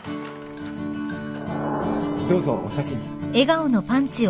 どうぞお先に